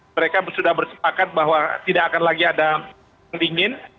mereka sudah bersepakat bahwa tidak akan lagi ada ketingin